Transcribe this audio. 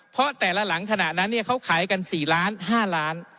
เพราะแต่ละหลังขณะนั้นเขาขายกัน๔ล้าน๕ล้าน